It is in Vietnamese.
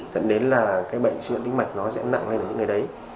dẫn đến là cái bệnh xuyên tĩnh mạch nó sẽ nặng lên ở những người đấy